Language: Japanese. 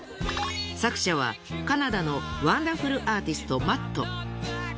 作者はカナダのワンダフルアーティストマット。